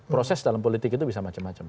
proses dalam politik itu bisa macam macam